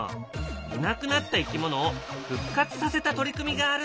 いなくなった生き物を復活させた取り組みがあるんだ。